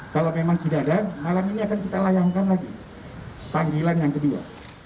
kalau memang tidak ada malam ini akan kita layankan lagi panggilan yang kedua